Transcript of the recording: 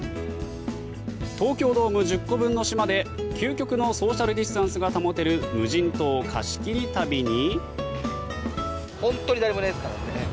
東京ドーム１０個分の島で究極のソーシャル・ディスタンスが保てる無人島貸し切り旅に。